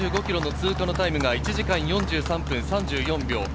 ３５ｋｍの通過のタイムが１時間４３分３４秒。